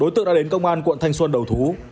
đối tượng đã đến công an quận thanh xuân đầu thú